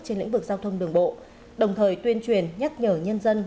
trên lĩnh vực giao thông đường bộ đồng thời tuyên truyền nhắc nhở nhân dân